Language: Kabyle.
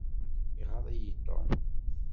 Iɣaḍ-iyi Tom.